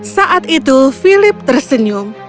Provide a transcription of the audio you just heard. saat itu philip tersenyum